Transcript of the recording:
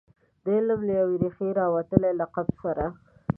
د علم له یوې ریښې راوتلي لقب سره.